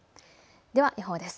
では予報です。